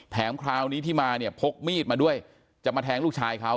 คราวนี้ที่มาเนี่ยพกมีดมาด้วยจะมาแทงลูกชายเขา